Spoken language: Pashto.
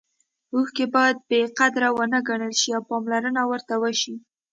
اوښکې باید بې قدره ونه ګڼل شي او پاملرنه ورته وشي.